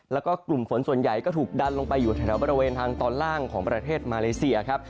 แล้วก็กลุ่มฝนส่วนใหญ่ก็ถูกดันลงไปอยู่แถวบริเวณทางตอนล่างของประเทศมาเลเซียครับ